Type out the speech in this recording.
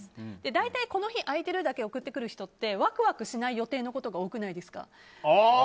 大体、この日空いてる？だけ送ってくる人ってワクワクしない予定のほうが多くないですか？